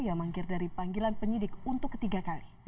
ia mangkir dari panggilan penyidik untuk ketiga kali